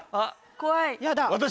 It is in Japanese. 怖い。